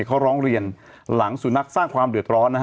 เขาร้องเรียนหลังสุนัขสร้างความเดือดร้อนนะฮะ